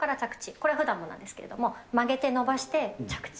これ、ふだんもなんですけど、曲げて伸ばして着地。